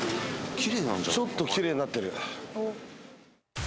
ちょっと綺麗になってる。